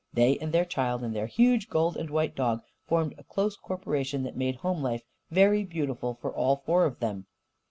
They and their child and their huge gold and white dog formed a close corporation that made home life very beautiful for all four of them.